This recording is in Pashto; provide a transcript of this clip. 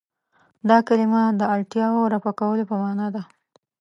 دا کلمه د اړتیاوو رفع کولو په معنا ده.